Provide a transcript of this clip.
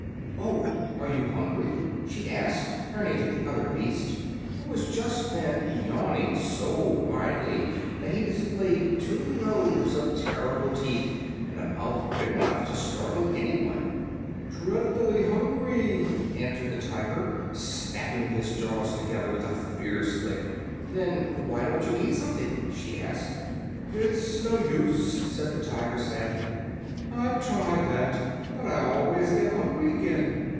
"Oh! Are you hungry?" she asked, turning to the other beast, who was just then yawning so widely that he displayed two rows of terrible teeth and a mouth big enough to startle anyone. "Dreadfully hungry," answered the Tiger, snapping his jaws together with a fierce click. "Then why don't you eat something?" she asked. "It's no use," said the Tiger sadly. "I've tried that, but I always get hungry again."